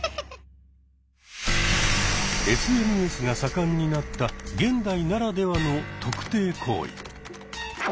ＳＮＳが盛んになった現代ならではの「特定」行為。